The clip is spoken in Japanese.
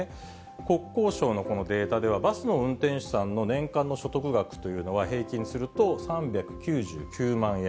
国交省のデータでは、バスの運転手さんの年間の所得額というのは、平均すると３９９万円。